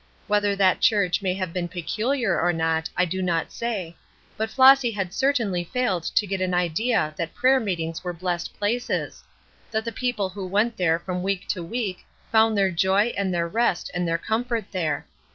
Whether that church may have been peculiar or not I do not say, but Flossy had certainly failed to get the idea that prayer meetings were blessed places; that the people who went there from week to week found their joy and their rest and their comfort there.